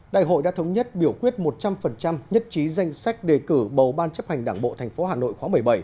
đại hội đã thống nhất biểu quyết một trăm linh nhất trí danh sách đề cử bầu ban chấp hành đảng bộ tp hà nội khóa một mươi bảy